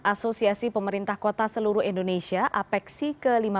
asosiasi pemerintah kota seluruh indonesia apexi ke lima belas